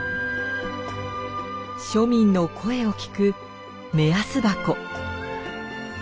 庶民の声を聞く目安箱。